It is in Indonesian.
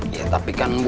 ya tapi kan bu